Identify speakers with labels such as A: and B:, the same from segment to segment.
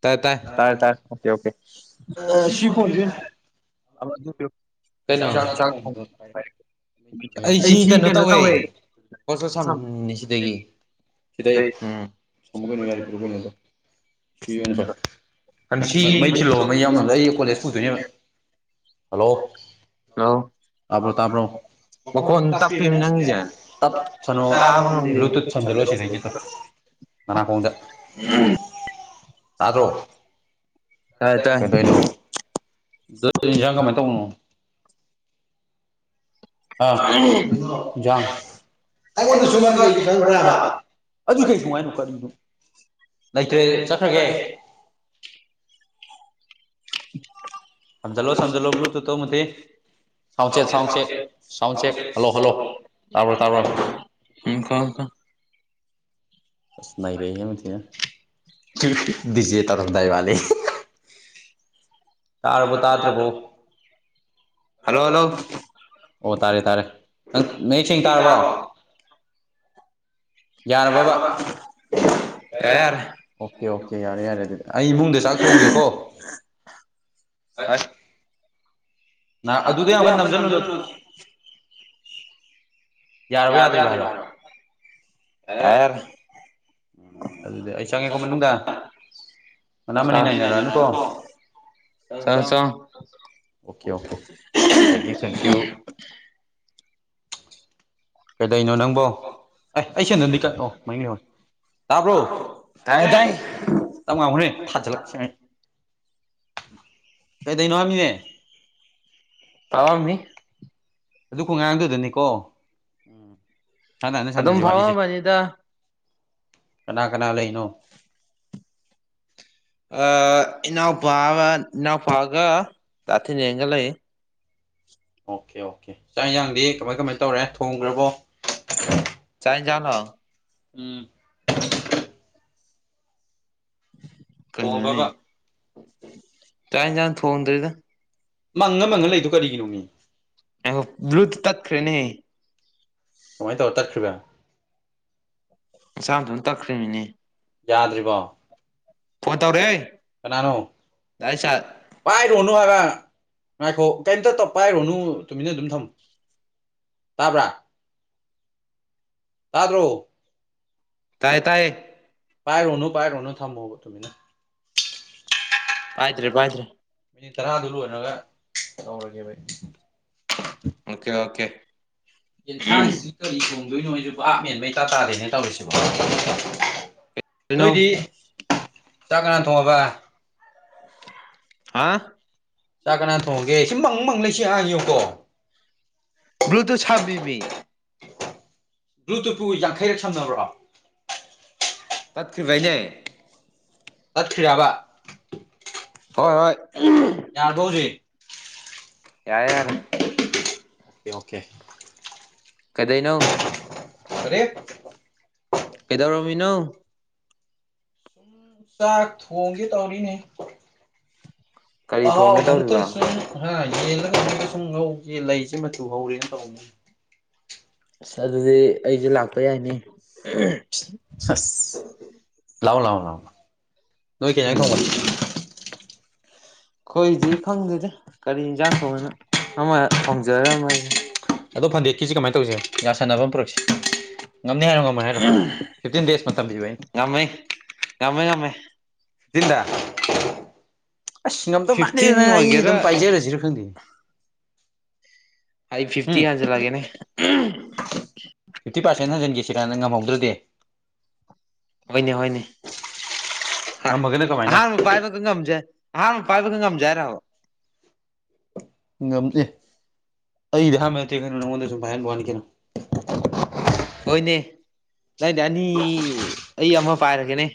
A: ꯇꯥꯏ ꯇꯥꯏ
B: ꯇꯥꯔꯦ ꯇꯔꯦ ꯑꯣꯀꯦ ꯑꯣꯀꯦ
A: ꯀꯩꯅꯣ
B: ꯆꯥꯛ ꯆꯥꯛ ꯊꯣꯡ
A: ꯑꯩ ꯁꯤ ꯀꯩꯅꯣ ꯇꯧꯋꯦ ꯍꯣꯁꯄꯣꯠ ꯁꯝꯃꯤꯅꯤ ꯁꯤꯗꯒꯤ ꯁꯤꯗꯩ ꯎꯝ ꯁꯃꯨ ꯅꯨꯡꯉꯔ ꯐꯔꯅꯦꯗꯣ ꯁꯤ ꯑꯣꯏꯅ ꯐꯔꯦ ꯁꯤ ꯃꯩ ꯊꯤꯜꯂꯣꯕ ꯃꯩ ꯌꯥꯎꯅꯕ ꯑꯩ ꯀꯣꯂꯦꯖ ꯄꯨꯗꯣꯏꯅꯦꯕ ꯍꯜꯂꯣ
B: ꯍꯜꯂꯣ
A: ꯇꯥꯕ꯭ꯔꯣ ꯇꯥꯕ꯭ꯔꯣ
B: ꯃꯈꯣꯟ
A: [unintelligible]
B: ꯇꯞꯄꯤꯃꯤ ꯅꯪꯒꯤꯁꯦ
A: ꯇꯥꯠꯁꯅꯣ
B: ꯇꯥꯕ ꯉꯝꯗꯦꯃꯤ
A: ꯕꯂꯨꯇꯨꯠ ꯁꯃꯖꯤꯜꯂꯣ ꯁꯤꯗꯒꯤ ꯇꯨ ꯅꯅꯥꯀꯣꯡꯗ ꯇꯥꯗ꯭ꯔꯣ
B: ꯇꯥꯏ ꯇꯥꯏ
A: ꯀꯩꯗꯧꯔꯤꯅꯣ ꯑꯗꯨ ꯏꯟꯁꯥꯡ ꯀꯃꯥꯏꯅ ꯇꯧꯕꯅꯣ ꯑ ꯏꯟꯖꯥꯡ ꯑꯩꯉꯣꯟꯗ ꯁꯨꯝ ꯍꯥꯏꯁꯤ ꯀꯩꯅ‌ꯣ ꯈꯪꯕ꯭ꯔꯥꯕ ꯑꯗꯨ ꯀꯩꯁꯨꯡꯉꯨ ꯍꯥꯏꯅ‌ꯣ ꯀꯔꯤꯅ‌ꯣ ꯂꯩꯇ꯭ꯔꯦ ꯆꯠꯈ꯭ꯔꯒꯦ ꯁꯝꯖꯜꯂꯣ ꯁꯝꯖꯜꯂꯣ ꯕ꯭ꯂꯨꯇꯨꯠꯇꯣ ꯃꯨꯊꯤ
B: [unintelligible]
A: ꯁꯥꯎꯟ ꯆꯦꯛ
B: ꯊꯝꯁꯦ
A: ꯁꯥꯎꯟ ꯆꯦꯛ
B: ꯊꯝꯁꯦ
A: ꯁꯥꯎꯟ ꯆꯦꯛ
B: ꯊꯝꯁꯦ
A: ꯍꯜꯂꯣ ꯍꯜꯂꯣ
B: ꯍꯂꯣ
A: ꯇꯥꯕ꯭ꯔꯣ
B: ꯍꯂ‌ꯣ ꯊꯝ
A: ꯇꯥꯕ꯭ꯔꯣ
B: ꯊꯝꯃ‌ꯦ ꯎꯝ ꯀ ꯀꯣ
A: ꯅꯩꯔꯦ ꯌꯨꯝꯁꯤꯒ ꯗꯤꯖ‌ꯦ ꯇꯧꯔꯝꯗꯥꯏ ꯃꯥꯜꯂ‌ꯦ ꯇꯥꯔꯕꯣ ꯇꯥꯗ꯭ꯔꯕꯣ
B: ꯍꯜꯂꯣ
A: ꯍꯂ‌ꯣ
B: ꯍꯜꯂꯣ
A: ꯑꯣ ꯇꯥꯔꯦ ꯇꯥꯔꯦ ꯅꯪ ꯅꯪ ꯃꯌ‌ꯦꯛꯁꯦꯡ ꯇꯥꯔꯕꯣ ꯌꯥꯔꯕꯕ
B: [unintelligible]
A: ꯑꯣꯀꯦ ꯑꯣꯀꯦ ꯌꯥꯔꯦ ꯌꯥꯔꯦ ꯑꯗꯨꯗꯤ ꯑꯩ
B: ꯌꯥꯔ‌ꯦ
A: ꯏꯃꯨꯡꯗ ꯆꯥꯛ
B: ꯌꯥꯔ‌ꯦ
A: ꯇꯥꯏ ꯅꯥ ꯑꯗꯨꯗ ꯌꯥꯝꯀꯟ ꯅꯝꯖꯤꯜꯂꯨꯅꯨ ꯌꯥꯔꯕ ꯌꯥꯗꯔꯤꯕ ꯍꯥꯏꯔꯣ ꯌꯥꯔ‌‌ꯦ ꯌꯥꯔ‌‌ꯦ
B: ꯌꯥꯔꯦ ꯌꯥꯔꯦ
A: ꯎꯝ ꯑꯗꯨꯗꯤ ꯑꯩ ꯆꯪꯉꯦꯀꯣ ꯃꯅꯨꯡꯗ ꯃꯅꯥ ꯃꯅꯤ
B: ꯁꯥꯅꯤꯟ
A: ꯅꯩꯅꯔꯛꯑꯅꯨꯀꯣ
B: ꯅꯥꯏꯅꯔꯛꯑꯅꯨꯀꯣ ꯆꯥꯎ ꯆꯥꯎ
A: ꯑꯣꯀꯦ ꯑꯣꯀꯦ ꯊꯦꯡꯀ꯭ꯌꯨ ꯊꯦꯡꯀ꯭ꯌꯨ ꯀꯩꯗꯧꯔꯤꯅꯣ ꯅꯪꯕꯣ ꯑꯦ ꯑꯩ ꯁꯦꯗꯟꯗꯤ ꯀꯥꯏ ꯑ‌ꯣ ꯃꯅꯤꯡꯗ ꯂꯩꯍꯧꯔ‌ꯦ
B: ꯇꯥꯏ ꯇꯥꯏ
A: ꯇꯞꯉꯍꯅꯦ ꯊꯥꯖꯤꯜꯂꯛꯁꯦ ꯀꯩꯗꯩꯅꯣ ꯍꯥꯏꯃꯤꯅꯦ
B: ꯄꯥꯎ ꯃꯤ
A: ꯑꯗꯨ ꯈꯉꯥꯡꯗꯨꯗꯅꯤꯀꯣ ꯎꯝ ꯁꯥꯟꯅ ꯍꯅ
B: ꯑꯗꯨꯝ
A: ꯁꯥꯟꯅꯁꯤ ꯋꯥꯠꯂꯤꯁꯦ
B: ꯐꯥꯎꯔꯝꯃꯅꯤꯗ
A: ꯀꯅꯥ ꯀꯅꯥ ꯂꯩꯅꯣ
B: ꯏꯅꯥꯎꯄꯥ ꯏꯅꯥꯎꯄꯥꯒ ꯇꯥꯊꯤꯅꯦꯒ ꯂꯩ
A: ꯑꯣꯀꯦ ꯑꯣꯀꯦ ꯆꯥꯛ ꯍꯌꯥꯡꯗꯤ ꯀꯃꯥꯏ ꯀꯃꯥꯏꯅ ꯇꯧꯔꯦ ꯊꯣꯡꯈ꯭ꯔꯕꯣ
B: ꯆꯥꯏꯖꯅꯣ
A: ꯎꯝ
B: ꯀꯩꯅꯩꯅꯣꯅꯦ
A: ꯊꯣꯡꯉꯝꯕꯕ
B: ꯇꯥꯏꯟ ꯆꯅ ꯊꯣꯟꯗ꯭ꯔꯤꯗ
A: ꯃꯪꯉ ꯃꯪꯉ ꯂꯩꯗꯨꯣ ꯀꯔꯤꯒꯤꯅꯣꯅꯤ
B: ꯑꯦꯣ ꯭ꯂꯨꯇꯨꯊ ꯇꯠ ꯐ꯭꯭ꯔꯦꯅꯦ
A: ꯀꯃꯥꯏꯅ ꯇꯧꯔ ꯇꯠꯈ꯭ꯔꯤꯕꯥ
B: ꯃꯁꯥꯝꯇ‌ꯣꯝ ꯇꯛꯈ꯭ꯔꯤꯝꯅ‌ꯦꯃꯤ
A: ꯌꯥꯗ꯭ꯔꯤꯕꯣ
B: ꯐꯣꯟ ꯇꯧꯔꯦ
A: ꯀꯅꯥꯅꯣ ꯄꯥꯏꯔꯨꯅꯨ ꯍꯥꯏꯕ ꯉꯥꯏꯈꯣ ꯀꯩꯝꯇ ꯇꯧ ꯄꯥꯏꯔꯨꯅꯨ ꯇꯨꯃꯤꯟꯅ ꯑꯗꯨꯝ ꯊꯝꯃꯣ ꯇꯥꯕ꯭ꯔꯥ ꯇꯥꯗ꯭ꯔꯣ
B: ꯇꯥꯏ ꯇꯥꯏ
A: ꯄꯥꯏꯔꯣꯅꯨ ꯄꯥꯏꯔꯣꯅꯨ ꯊꯝꯃ‌ꯣꯕ ꯇꯨꯃꯤꯅ
B: ꯄꯥꯏ꯭ꯗꯔ‌ꯦ ꯄꯥꯏ꯭ꯗꯔ‌ꯦ
A: ꯃꯤꯅꯤꯠ ꯇꯔꯥꯗꯨ ꯂꯣꯏꯔꯒ ꯇꯧꯔꯒꯦꯕ
B: ꯑꯣꯀꯦ ꯑꯣꯀꯦ
A: ꯌꯦꯟꯁꯥꯡꯁꯤ ꯀꯔꯤ ꯊꯣꯡꯗꯣꯏꯅꯣ ꯑꯩꯁꯨ ꯄꯥꯞ ꯃꯦꯟꯕꯩꯇꯥ ꯇꯥꯗꯦꯅ ꯇꯧꯔꯤꯁꯤꯕ‌ꯣ
B: ꯀꯩꯅꯣ
A: ꯅꯣꯏꯗꯤ ꯆꯥꯛ ꯉ ꯊꯣꯡꯉꯕ
B: ꯍꯥ
A: ꯆꯥꯛ ꯀꯅꯥ ꯊꯣꯡꯉꯒꯦ ꯁꯤ ꯃꯪ ꯃꯪ ꯂꯩ ꯁꯤ ꯑꯥꯉꯨꯀꯣ
B: ꯕ꯭ꯂꯨꯇ ꯁꯕꯤꯃꯤ
A: ꯕ꯭ꯂꯨ ꯇꯨꯠꯄꯨ ꯌꯥꯡꯈꯩꯔꯛ ꯁꯝꯅꯕ꯭ꯔꯣ
B: ꯇꯠ ꯀ꯭ꯔꯤꯕꯅꯦ
A: ꯇꯠꯈꯤꯔꯕ
B: ꯍꯣꯏ ꯍꯣꯏ
A: ꯌꯥꯔꯕꫭ ꯍꯧꯖꯤꯛ
B: ꯌꯥꯔ‌ꯦ ꯌꯥꯔ‌ꯦ
A: ꯑꯣꯀꯦ ꯑꯣꯀꯦ
B: ꯀꯗꯩꯅꯣ
A: ꯀꯔꯤ
B: ꯀꯩꯗꯧꯔꯝꯃꯤꯅꯣ
A: ꯁꯨꯝ ꯆꯥꯛ ꯊꯣꯡꯒꯦ ꯇꯧꯔꯤꯅꯦ
B: ꯀꯔꯤ ꯊꯣꯡꯒꯦ
A: ꯑꯍꯥꯎꯕ ꯑꯃꯇ
B: ꯇꯧꯔꯤꯕ
A: ꯁꯨꯝ ꯌꯦꯜꯂ ꯀꯩꯅꫭ ꯁꯨꯝ ꯉꯧꯒ‌ꯦ ꯂꯩꯁꯦ ꯃꯇꯨ ꯍꯧꯔꯦꯅ ꯇꯧꯕꯅ‌ꯦ
B: ꯑꯁ ꯑꯗꯨꯗꯤ ꯑꯩꯁꯨ ꯂꯥꯛꯄ ꯌꯥꯏꯅ‌ꯦ
A: ꯑꯁ ꯂꯑꯣ ꯂꯥꯎꯑꯣ ꯂꯑꯣ ꯅꫭꯏ ꯀꯩ ꯏꯖꯥꯡ
B: ꯎꯝ
A: ꯊꫭꯡꯕ
B: ꯑꯩꯈꯣꯏꯗꯤ ꯈꯪꯗꯦꯗ ꯀꯔꯤ ꯏꯟꯁꯥꯡ ꯊꯣꯡꯅꯤꯅꯣ ꯑꯃ ꯊꯣꯡꯖꯔꯝꯃꯖꯅꯤ
A: ꯑꯗꯣ ꯐꯟꯗꯦꯠꯀꯤꯁ‌ꯦ ꯀꯃꯥꯏꯅ ꯇꯧꯁꯦ ꯌꯥꯁꯥꯟꯅꯕ ꯑꯃ ꯄꯨꯔꯛꯁꯤ ꯉꯝꯅꯤ ꯍꯥꯏꯔꫭ ꯉꯝ ꯐꯇꯤꯟ
B: ꯉꯝꯃꯦ ꯉꯝꯃꯦ ꯉꯝꯃꯦ
A: ꯗꯕ [unintelligible] ꯑꯁ ꯉꯝꯗꯧ ꯃꯥꯟꯗꯦꯗ
B: ꯐꯤꯐꯇꯤꯟ
A: ꯅꯪ ꯑꯩ
B: ꯑꯣꯏꯒꯦꯔꯥ
A: ꯑꯗꯨꯝ ꯄꯥꯏꯖꯔꯁꯤꯔ ꯈꯪꯗꯦꯅ‌ꯦ
B: ꯑꯩ ꯐꯤꯐꯇꯤ ꯍꯟꯖꯜꯂꯛꯑꯒꯦꯅꯦ
A: ꯐꯤꯐꯇꯤ ꯄꯥꯔꯦꯟ ꯍꯟꯖꯟꯒ‌ꯦ ꯁꯤꯔꯥ ꯉꯝꯍꯧꯗ꯭ꯔꯗꯤ
B: ꯍꯣꯏꯅꯦ ꯍꯣꯏꯅꯦ ꯍ
A: ꯉꯝꯃꯒꯅ ꯀꯃꯥꯏꯅ
B: ꯑꯍꯥꯟꯕ ꯄꯥꯏꯕ ꯉꯝꯖꯦ ꯑꯍꯥꯟꯕ ꯄꯥꯏꯕꯗ ꯉꯝꯖꯦ ꯍꯥꯏꯔꫭ
A: ꯉꯝꯗꯦ ꯑꯩꯗꯤ ꯑꯍꯥꯟꯕ ꯅꯠꯇ‌ꯦ ꯀꯩꯅꫭ ꯅꯣꯡꯉꯣꯟꯗ ꯁꯨꯝ ꯄꯥꯍꯟꯕꯩ ꯋꯥꯅꯤ ꯀꯩꯅꯣ
B: ꯍꯣꯏꯅꯦ ꯑꯩꯅ ꯑꯅꯤ ꯑꯩ ꯑꯃ ꯄꯥꯏꯔꯒꯦꯅꯦ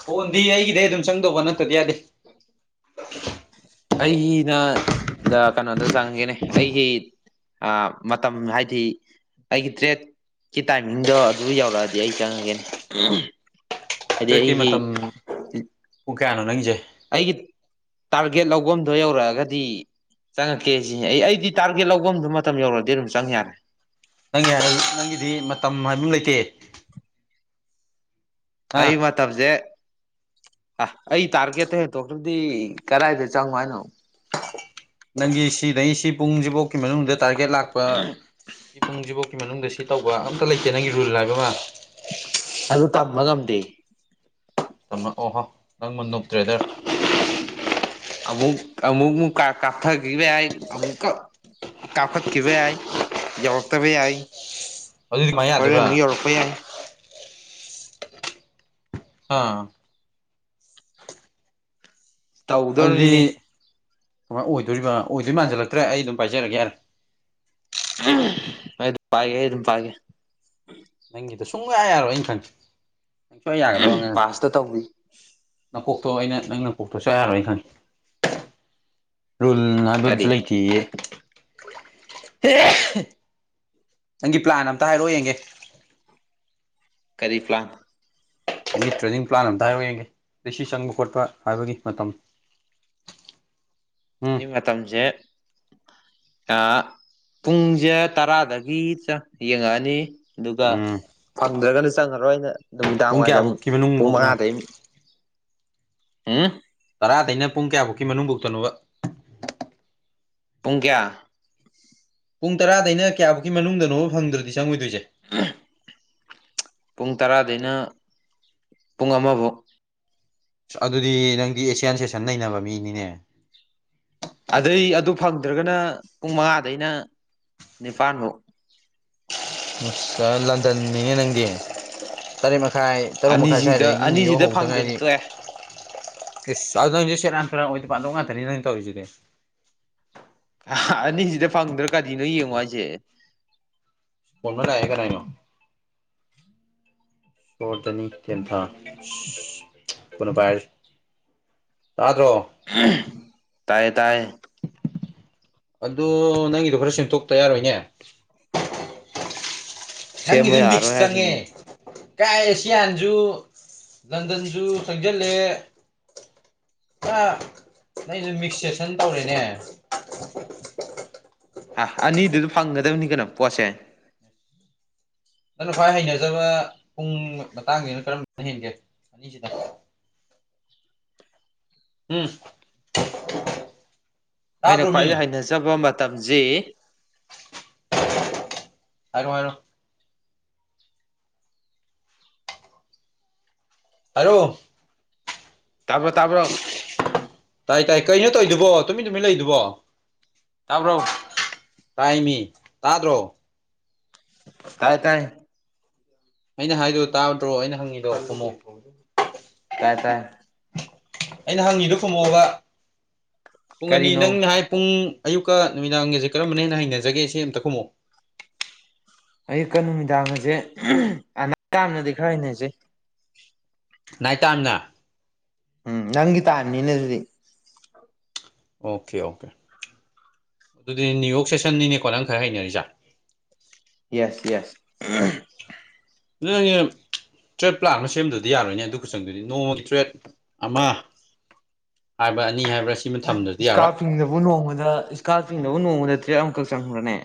A: ꯐꯣꯟꯗꯤ ꯑꯩꯒꯤꯗꯩ ꯑꯗꯨꯝ ꯆꯪꯗꯧꯕ ꯅꯠꯇꯗꯤ ꯌꯥꯗꯦ
B: ꯑꯩꯩꯒꯤꯅ ꯗ ꯀꯩꯅꯣꯗ ꯆꯪꯉꯒꯦꯅꯦ ꯑꯩꯒꯤ ꯑꯥ ꯃꯇꯝ ꯍꯥꯏꯗꯤ ꯑꯩꯒꯤ ꯇ꯭ꯔꯦꯠ ꯀꯤ ꯇꯥꯏꯃꯤꯡꯗꯣ ꯑꯗꯨ ꯌꯧꯔꯛꯑꯗꯤ ꯑꯩ ꯆꯪꯉꯒꯦꯅꯦ ꯍꯥꯏꯗꯤ
A: ꯇꯔꯦꯠꯀꯤ
B: ꯑꯩꯒꯤ
A: ꯃꯇꯝ ꯄꯨꯡ ꯀꯌꯥꯅꯣ ꯅꯪꯒꯤꯁꯦ
B: ꯑꯩꯒꯤ ꯇꯥꯔꯒꯦꯠ ꯂꯧꯕꯝꯗꯣ ꯌꯧꯔꯛꯑꯒꯗꯤ ꯆꯪꯉꯛꯀꯦ ꯁꯤ ꯑꯩꯗꯤ ꯇꯥꯔꯒꯦꯠ ꯂꯧꯕꯝꯗꫭ ꯃꯇꯝ ꯌꯧꯔꯗꯤ ꯑꯗꯨꯝ ꯆꯪ ꯌꯥꯔꯦ
A: ꯅꯪꯒꯤ ꯍꯥꯏ [unintelligible] ꯅꯪꯒꯤꯗꯤ ꯃꯇꯝ ꯍꯥꯏꯕꯃ ꯂꯩꯇꯦ
B: ꯑꯩ
A: ꯑꯥ
B: ꯃꯠ ꯃꯇꯝꯁꯦ ꯑꯥꯏ ꯑꯩ ꯇꯥꯔꯒꯦꯠꯇ ꯍꯦꯟꯇꯣꯛꯈ꯭ꯔꯗꯤ ꯀꯗꯥꯏꯗ ꯆꯪꯉꯣ ꯍꯥꯏꯅꯣ
A: ꯅꯪꯒꯤ ꯁꯤꯗꯩ ꯁꯤ ꯄꯨꯡꯁꯤꯖꯤꯐꯥꯎꯀꯤ ꯃꯅꯨꯡꯗ ꯇꯥꯔꯒꯦꯠ ꯂꯥꯛꯄ ꯁꯤ ꯄꯨꯡꯁꯤꯖꯤꯐꯨꯛ ꯁꯤ ꯃꯅꯨꯡꯗ ꯁꯤ ꯇꯧꯕ ꯑꯝꯇ ꯂꯩꯇꯦ ꯅꯪꯒꯤ ꯔꯨꯜ ꯍꯥꯏꯕ ꯑꯃ
B: ꯑꯗꯨ ꯇꯝꯕ ꯉꯝꯗꯦ
A: ꯑꯣꯍꫭ ꯅꯪꯃ ꯅꯨꯞ ꯇ꯭ꯔꯦꯗꯔ
B: ꯑꯨꯃꯨꯛ ꯑꯃꯨꯛ ꯀꯥꯞꯊꯒꯤꯕ ꯌꯥꯏ ꯑꯃꯨꯛ ꯀ ꯀꯥꯞꯈꯠꯈꯤꯕ ꯌꯥꯏ ꯌꯧꯔꯛꯇꯕ ꯌꯥꯏ
A: ꯑꯗꯨꯗꯤ ꯀꯃꯥꯏ
B: ꯍꯣꯔꯦꯟ
A: ꯌꯥꯗꯣꯏꯕ
B: ꯑꯃꯨꯛ ꯌꯧꯔꯛꯄ ꯌꯥꯏ
A: ꯑꯥ ꯑꯗꯨꯗꯤ
B: ꯇꯧꯗꯣꯔꯤꯅꯦ
A: ꯀꯃꯥꯏꯅ ꯑꯣꯏꯗꯣꯏꯔꯤꯕ ꯑꯣꯏꯗꯣꯏ ꯃꯥꯟꯁꯤꯜꯂꯛꯇ꯭ꯔꯦ ꯑꯩ ꯑꯗꯨꯝ ꯄꯥꯏꯖꯔꯒꯦ ꯌꯔ‌ꯦ
B: ꯑꯩ ꯑꯗꯨꯝ ꯄꯥꯏꯒꯦ ꯑꯩ ꯑꯗꯨꯝ ꯄꯥꯏꯒꯦ
A: ꯅꯪꯒꯤꯗꯨ ꯁꯨꯡꯌꯥ ꯌꯥꯔꯣꯏ ꯑꯩꯅ ꯈꯪꯉꯤ ꯅꯪ ꯁꯨꯡꯌꯥ ꯌꯥꯒꯗꯕ ꯑꯉꯥꯡ
B: ꯄꯥꯁꯇ ꯇꯧꯕꯤ
A: ꯅꯀꯣꯛꯇꯣ ꯑꯩꯅ ꯅꯪ ꯅꯀꯣꯛꯇꯣ ꯁꯨꯡꯌꯥ ꯌꯥꯔꯣꯏ ꯑꯩꯅ ꯈꯪꯉꯤ ꯔꯨꯜ ꯁꯤꯕ [unintelligible] ꯑꯃꯁꯁꯨ
B: ꯀꯔꯤ
A: ꯂꯩꯇꯦꯌꯦ ꯅꯪꯒꯤ ꯄ꯭ꯂꯥꯟ ꯑꯝꯇ ꯍꯥꯏꯔꯛꯑꯣ ꯌꯦꯡꯒꯦ
B: ꯀꯔꯤ ꯄꯂꯥꯟ
A: ꯅꯪꯒꯤ ꯇ꯭ꯔꯦꯗꯤꯡ ꯄ꯭ꯂꯥꯟ ꯑꯝꯇ ꯍꯥꯏꯔꯛꯑꫭ ꯌꯦꯡꯒꯦ ꯑꯗꯩ ꯁꯤ ꯆꯪꯕ ꯈꯣꯠꯄ ꯍꯥꯏꯕꯒꯤ ꯃꯇꯝ [unintelligible]
B: ꯑꯩ ꯃꯇꯝꯁꯦ ꯑꯥ ꯄꯨꯡꯁꯦ ꯇꯔꯥꯗꯒꯤ ꯌꯦꯡꯉꯛꯑꯅꯤ ꯑꯗꯨꯒ
A: ꯎꯝ
B: ꯐꯪꯗ꯭ꯔꯒꯅ ꯆꯪꯉꯔꯣꯏ ꯑꯩꯅ ꯅꯨꯃꯤꯗꯥꯡ
A: ꯄꯨꯡ
B: ꯋꯥꯏꯔꯝ
A: ꯀꯌꯥꯐꯧꯀꯤ
B: ꯄꯨꯡ
A: ꯃꯅꯨꯡꯕꯧꯅꯣ
B: ꯃꯉꯥꯗꯩ ꯑꯝ
A: ꯇꯥꯗꯦꯅꯦ ꯄꯨꯡ ꯀꯌꯥꯐꯥꯎꯀꯤ ꯃꯅꯨꯡ ꯕꯣꯛꯇꯅꯣꯕ
B: ꯄꯨꯡ ꯀ꯭ꯌꯥ
A: ꯄꯨꯡ ꯇꯔꯥꯗꯩꯅ ꯀꯌꯥꯐꯧꯛꯀꯤ ꯃꯅꯨꯡꯗꯅꯣꯕ ꯐꯪꯗ꯭ꯔꯗꯤ ꯆꯪꯉꯣꯏꯗꯣꯏꯁꯦ
B: [unintelligible] ꯄꯨꯡ ꯇꯔꯥꯗꯩꯅ ꯄꯨꯡ ꯑꯃꯐꯥꯎ
A: ꯑꯁ ꯑꯗꯨꯗꯤ ꯅꯪꯗꯤ ꯑꯦꯁꯤꯌꯥꯟ ꯁꯦꯁꯟ ꯅꯩꯅꯕ ꯃꯤꯅꯤꯅꯦ
B: ꯑꯗꯩ ꯑꯗꯨ ꯐꯪꯗ꯭ꯔꯒꯅ ꯄꯨꯡ ꯃꯉꯥꯗꯩꯅ ꯅꯤꯄꯥꯜꯐꯥꯎ
A: [unintelligible] ꯂꯟꯗꯟꯅꯤꯅꯦ ꯅꯪꯗꯤ ꯇꯔꯦꯠ ꯃꯈꯥꯏ ꯇꯔꯨꯛ ꯃꯈꯥꯏ
B: ꯑꯅꯤꯁꯤꯗ
A: ꯁ꯭ꯋꯥꯏꯗꯒꯤ ꯅꯤꯌꯣꯛ
B: ꯑꯅꯤꯁꯤꯗ
A: ꯍꯧꯗ
B: ꯐꯪꯗ꯭ꯔꯗꯤ
A: ꯉꯥꯏꯔꯤ
B: ꯇꯣꯛꯑꯦ
A: ꯏꯁ ꯑꯗꯨ ꯅꯪꯗꯤ ꯁꯦꯔꯥꯟ ꯇꯨꯔꯥꯟ ꯑꯣꯏ ꯄꯥꯗꯕ ꯉꯥꯛꯇꯅꯤ ꯅꯪꯅ ꯇꯧꯔꯤꯁꯤꯗꯤ
B: ꯑꯅꯤꯁꯤꯗ ꯐꯪꯗ꯭ꯔꯥ ꯀꯗꯤꯅꯣ ꯌꯦꯡꯉꯣ ꯍꯥꯏꯁꯦ
A: [unintelligible] ꯅꯣ [unintelligible] ꯇꯦꯟ ꯊꯥ [unintelligible] ꯇꯥꯗ꯭ꯔꯣ
B: ꯇꯥꯏꯌꯦ ꯇꯥꯏ
A: ꯑꯗꯣ ꯅꯪꯒꯤꯗꯣ ꯈꯔ ꯁꯦꯝꯗꯣꯛꯇ ꯌꯥꯔꯣꯏꯅꯦ
B: ꯁꯦꯝꯕ
A: ꯅꯪꯒꯤꯗꯤ
B: ꯌꯥꯔꯣꯏ
A: ꯃꯤꯛ꯭ꯁꯇ ꯆꯪꯉꯦ
B: ꯍꯥꯏꯔꯤꯅꯦ
A: ꯀꯥꯏ ꯑꯦꯁꯤꯌꯥꯟꯁꯨ ꯂꯟꯗꯟꯁꯨ ꯆꯪꯁꯤꯜꯂꯦ ꯑ ꯅꯩꯗꯨ ꯃꯤꯛꯁ ꯁꯦꯁꯟ ꯇꯧꯔꯦꯅꯦ
B: ꯑ ꯑꯅꯤꯗꯨꯗ ꯐꯪꯒꯗꯕꯅꯤ ꯀꯩꯅꯣ ꯄꯣꯠꯁꯦ
A: ꯅꯪꯅ ꯈ꯭ꯋꯥꯏ ꯍꯩꯅꯖꯕ ꯄꯨꯡ ꯃꯇꯥꯡꯁꯤꯅ ꯀꯔꯝꯝꯕꯅ ꯍꯦꯟꯒꯦ ꯑꯅꯤꯁꯤꯗ ꯎꯝ
B: ꯑꯩꯅ
A: ꯇꯥꯗ꯭ꯔꯣ
B: ꯈ꯭ꯋꯥꯏꯗꯩ
A: ꯃꯤ
B: ꯍꯩꯅꯖꯕ ꯃꯇꯝꯁꯤ
A: [unintelligible] ꯍꯥꯏꯔꯣ ꯍꯥꯏꯔꯣ ꯍꯥꯏꯔꯛꯑꯣ
B: ꯇꯥꯕ꯭ꯔꯣ ꯇꯥꯕ꯭ꯔꯣ
A: ꯇꯥꯏ ꯇꯥꯏ ꯀꯩꯅꯣ ꯇꯧꯔꯝꯗꯨꯕꯣ ꯇꯨꯃꯤꯟ ꯇꯨꯃꯤꯟ ꯂꯩꯗꯨꯕꯣ
B: ꯇꯥꯕ꯭ꯔꯣ
A: ꯇꯥꯏꯃꯤ ꯇꯥꯗ꯭ꯔꯣ
B: ꯇꯥꯏ ꯇꯥꯏ
A: ꯑꯩꯅ ꯍꯥꯏꯗꯣ ꯇꯥꯕ ꯅꯠꯇ꯭ꯔꯣ ꯑꯩꯅ ꯍꯪꯉꯤꯗꯣ ꯈꯨꯝꯃꯣ
B: ꯇꯥꯏ ꯇꯥꯏ
A: ꯑꯩꯅ ꯍꯪꯉꯤꯗꯨ ꯈꯨꯝꯃꯣꯕ ꯄꯨꯡ ꯑꯅꯤ ꯅꯪ ꯅ
B: ꯀꯔꯤꯅꯣ
A: ꯍꯥꯏ ꯄꯨꯡ ꯑꯌꯨꯛꯀ ꯅꯨꯃꯤꯗꯥꯡꯒꯁꯦ ꯀꯔꯝꯕꯅꯦ ꯍꯦꯟꯅ ꯍꯩꯅꯖꯒꯦ ꯁꯦ ꯑꯃꯇ ꯈꯨꯃꯛꯑꯣ
B: ꯑꯌꯨꯀꯥ ꯅꯨꯃꯤꯗꯥꯡꯒꯁꯦ [unintelligible] ꯇꯝꯅꯗꯤ ꯈꯔ ꯍꯩꯅꯖꯩ
A: ꯅꯥꯏꯇ ꯇꯥꯏꯝꯅ
B: ꯎꯝ ꯅꯪꯒꯤ ꯇꯥꯏꯝꯅꯤꯅꯦ ꯑꯗꯨꯗꯤ
A: ꯑꯣꯀꯦ ꯑꯣꯀꯦ ꯑꯗꯨꯗꯤ ꯅ꯭ꯌꯨ ꯌꯣꯛ ꯁꯦꯁꯟꯅꯤꯅꯦꯀꯣ ꯅꯪ ꯈꯔ ꯍꯩꯅꯔꯤꯖꯦ
B: ꯌꯦꯁ ꯌꯦꯁ
A: ꯑꯗꯨ ꯅꯪꯒꯝ ꯇ꯭ꯔꯦꯠ ꯄ꯭ꯂꯥꯟ ꯑꯃ ꯁꯦꯝꯗ꯭ꯕꯗꯤ ꯌꯥꯔꯣꯏꯅꯦ ꯑꯗꯨ ꯈꯨꯆꯪꯗꯨꯗꯤ ꯅꯣ ꯇ꯭ꯔꯦꯠ ꯑꯃ ꯍꯥꯏꯕ꯭ꯔ ꯑꯅꯤ ꯍꯥꯏꯕ꯭ꯔꯥ ꯁꯤꯃ ꯊꯝꯗ꯭ꯔꯗꯤ ꯌꯥꯔꯣꯏ
B: ꯏꯁꯀꯥꯔꯄꯤꯡꯗꯕꯨ ꯅꯣꯡꯃꯗ ꯏꯁꯀꯥꯔꯄꯤꯡꯗꯕꯨ ꯅꯣꯡꯃꯗ ꯇ꯭ꯔꯦꯠ ꯑꯃꯈꯛ ꯆꯪꯕ꯭ꯔꯅꯦ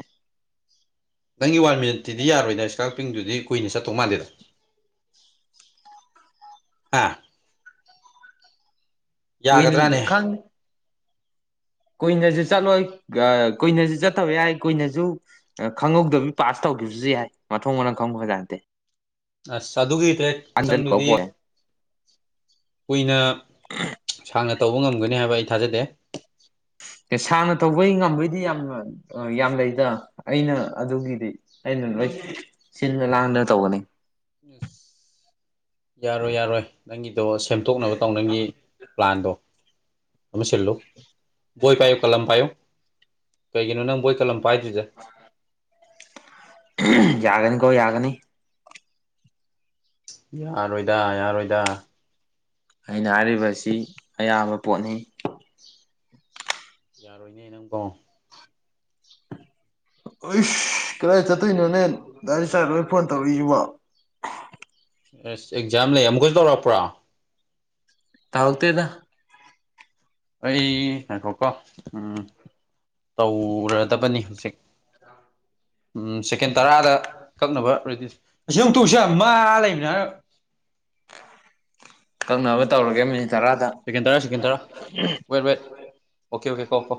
A: ꯅꯪꯒꯤ ꯋꯥꯟ ꯃꯤꯅꯤꯠꯇꯨꯗꯤ ꯌꯥꯔꯣꯏꯗ ꯏꯁꯀꯥꯜ ꯄꯤꯡꯗꯨꯗꯤ ꯀꯨꯏꯅ ꯆꯠꯇꯧ ꯃꯥꯜꯗꯦꯗ ꯑꯥ
B: ꯀꯨꯏꯅ
A: ꯌꯥꯒꯗ꯭ꯔꯥꯅꯦ
B: ꯈꯪ ꯀꯨꯏꯅꯁꯨ ꯆꯠꯂꯣꯏ ꯀꯨꯏꯅꯁꯨ ꯆꯠꯇꯕ ꯌꯥꯏ ꯀꯨꯏꯅꯁꯨ ꯈꯪꯍꯧꯗꯕꯤ ꯄꯥꯁ ꯇꯧꯈꯤꯕꯁꯨ ꯌꯥꯏ ꯃꯊꯣꯡ ꯃꯔꯝ ꯈꯪꯕꯖꯥꯠ ꯅꯠꯇꯦ
A: ꯑꯁ ꯑꯗꯨꯒꯤ ꯇ꯭ꯔꯦꯠ
B: ꯑꯟꯗ ꯀꯧ
A: ꯈꯨꯆꯪꯗꯨꯗꯤ
B: ꯄꯣꯔꯦ
A: ꯀꯨꯏꯅ ꯁꯥꯡꯅ ꯇꯧꯕ ꯉꯝꯒꯅꯤ ꯍꯥꯏꯕ ꯑꯩ ꯊꯥꯖꯗꯦ
B: ꯑꯦ ꯁꯥꯡꯅ ꯇꯧꯕꯩ ꯉꯝꯕꯩꯗꯤ ꯌꯥꯝꯅ ꯑ ꯌꯥꯝ ꯂꯩꯗ ꯑꯩꯅ ꯑꯗꯨꯒꯤꯗꯤ ꯑꯩꯅ ꯂꯣꯏ ꯁꯤꯜꯗ ꯂꯥꯡꯗꯅ ꯇꯧꯒꯅꯤ
A: ꯑꯁ ꯌꯥꯔꯣꯏ ꯌꯥꯔꯣꯏ ꯅꯪꯒꯤꯗꯣ ꯁꯦꯝꯗꯣꯛꯅꯕ ꯇꯧ ꯅꯪꯒꯤ ꯄ꯭ꯂꯥꯟꯗꯣ ꯑꯃ ꯁꯤꯜꯂꯨ ꯕꯣꯏ ꯄꯥꯏꯌꯣ ꯀꯂꯝ ꯄꯥꯏꯌꯣ ꯀꯩꯒꯤꯅꯣ ꯅꯪ ꯕꯣꯏ ꯀꯂꯝ ꯄꯥꯏꯗ꯭ꯔꯤꯗꯦ
B: [unintelligible] ꯌꯥꯒꯅꯤꯀꯣ ꯌꯥꯒꯅꯤ
A: ꯌꯥꯔꯣꯏꯗ ꯌꯥꯔꯣꯏꯗ
B: ꯑꯩꯅ ꯍꯥꯏꯔꯤꯕꯁꯤ ꯑꯌꯥꯝꯕ ꯄꯣꯠꯅꯤ
A: ꯌꯥꯔꯣꯏꯅꯦ ꯅꯪꯀꯣ
B: ꯑꯩꯁ ꯀꯗꯥꯏ ꯆꯠꯇꯣꯏꯅꯣꯅꯦ ꯗꯥꯏ ꯆꯥꯏ ꯂꯣꯏ ꯐꯣꯟ ꯇꯧꯔꯛꯏꯁꯤꯕꯣ
A: ꯑꯦꯁ ꯑꯦꯛꯖꯥꯝ ꯂꯩ ꯑꯃꯨꯛꯀꯁꯨ ꯇꯧꯔꯛꯄ꯭ꯔꯣ
B: ꯇꯥꯥꯎꯛꯇꯗ
A: ꯑꯩ ꯍꯥꯏꯈꯣꯀꯣ ꯎꯝ ꯇꯧꯔꯗꯕꯅꯤ ꯍꯧꯖꯤꯛ ꯁꯦꯀꯦꯟ ꯇꯔꯥꯗ ꯀꯛꯅꯕ ꯔꯦꯗꯤ ꯑꯁꯤ ꯑꯃꯨꯛ ꯇꯧꯁꯦ ꯃꯥ ꯂꯩꯕꯅ
B: ꯀꯛꯅꯕ ꯇꯧꯔꯒꯦ ꯃꯤꯅꯤꯠ ꯇꯔꯥꯗ
A: ꯁꯦꯀꯦꯟ ꯇꯔꯥ ꯁꯦꯀꯦꯟ ꯇꯔꯥ ꯋꯦꯠ ꯋꯦꯠ ꯑꯣꯀꯦ ꯑꯣꯀꯦ ꯀꯣ ꯀꯣ